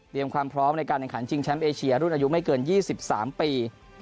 ความพร้อมในการแข่งขันชิงแชมป์เอเชียรุ่นอายุไม่เกิน๒๓ปี